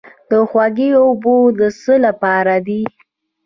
د هوږې اوبه د څه لپاره دي؟